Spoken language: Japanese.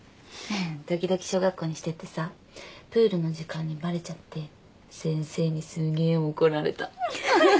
時々小学校にしてってさプールの時間にバレちゃって先生にすげえ怒られた。